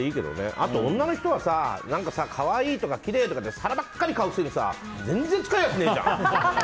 あとは女の人は可愛いとか、きれいとか皿ばっかり買う癖に全然使いやしないじゃん。